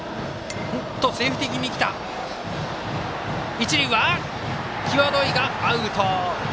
一塁は際どいがアウト。